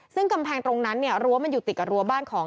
ซึ่งกำแพงตรงนั้นเนี่ยรั้วมันอยู่ติดกับรัวบ้านของ